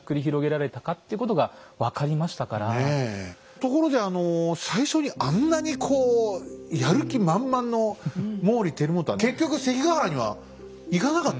ところで最初にあんなにこうやる気満々の毛利輝元は結局関ヶ原には行かなかった？